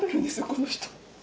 この人。